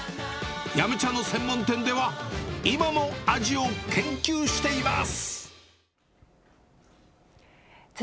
飲茶の専門店では今も味を研究しています。